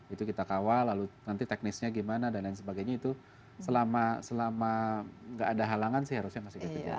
itu kita kawal lalu nanti teknisnya gimana dan lain sebagainya itu selama nggak ada halangan sih harusnya masih kecil